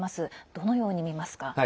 どのようにみますか？